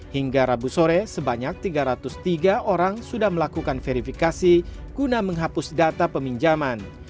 hingga rabu sore sebanyak tiga ratus tiga orang sudah melakukan verifikasi guna menghapus data peminjaman